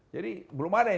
jadi belum ada indonesia